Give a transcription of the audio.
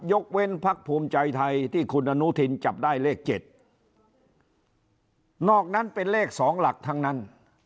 ยกเว้นพักภูมิใจไทยที่คุณอนุทินจับได้เลขเจ็ดนอกนั้นเป็นเลข๒หลักทั้งนั้น